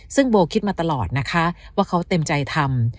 ซึ่งโบคิดมาตลอดนะคะว่าเขาเต็มใจทำ